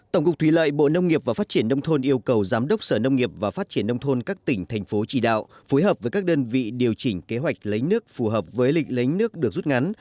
tổng cục thủy lợi bộ nông nghiệp và phát triển nông thôn yêu cầu giám đốc sở nông nghiệp và phát triển nông thôn các tỉnh thành phố chỉ đạo phối hợp với các đơn vị điều chỉnh kế hoạch lấy nước phù hợp với lịch lấy nước được rút ngắn